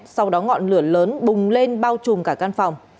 sau đó ngọn lửa lớn bùng lên bao trùm cả căn phòng